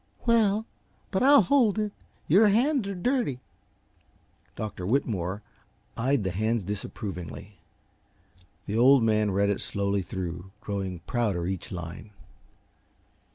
"Well, but I'll hold it. Your hands are dirty." Dr. Whitmore eyed the hands disapprovingly. The Old Man read it slowly through, growing prouder every line.